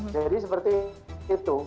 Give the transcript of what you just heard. jadi seperti itu